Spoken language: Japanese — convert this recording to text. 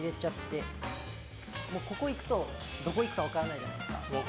ここいくと、どこいくか分からないじゃないですか。